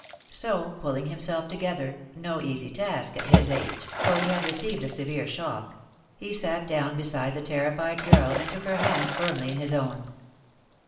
So, pulling himself together no easy task, at his age, for he had received a severe shock he sat down beside the terrified girl and took her hand firmly in his own.